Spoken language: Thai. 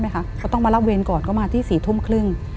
ก็ต้องมารับเวรก่อนก็มาที่๔ทุ่มครึ่ง